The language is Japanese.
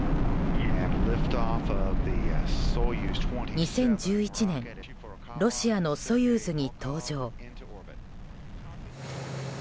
２０１１年ロシアの「ソユーズ」に搭乗。